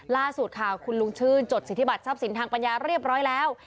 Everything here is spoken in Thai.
ล่าสุดค่ะคุณลุงชื่นจดสิทธิบัติทรัพย์สินทางปัญญาเรียบร้อยแล้ว